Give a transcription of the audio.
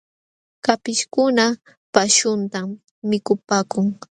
Kapishkuna paśhuntam mikupaakun.